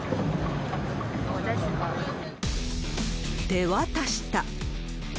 手渡した。